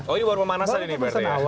oh ini baru pemanasan ini berarti ya